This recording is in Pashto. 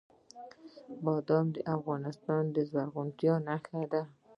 بادام د افغانستان د زرغونتیا نښه ده.